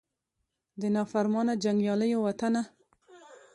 د نافرمانه جنګیالو وطنه